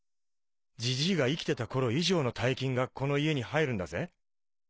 ジジイが生きてた頃以上の大金がこの家に入るんだぜ。